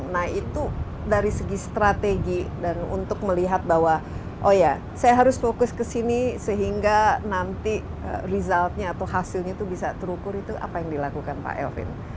nah itu dari segi strategi dan untuk melihat bahwa oh ya saya harus fokus ke sini sehingga nanti resultnya atau hasilnya itu bisa terukur itu apa yang dilakukan pak elvin